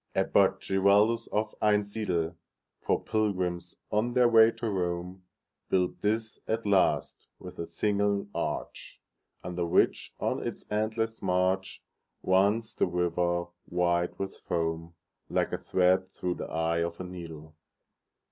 Abbot Giraldus of Einsiedel, For pilgrims on their way to Rome, Built this at last, with a single arch, Under which, on its endless march, Runs the river, white with foam, Like a thread through the eye of a needle.